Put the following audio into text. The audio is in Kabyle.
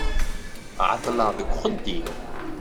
Ɛeṭṭleɣ deg uxeddim.